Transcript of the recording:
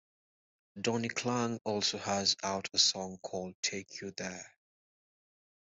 Donnie Klang also has out a song called "Take You There".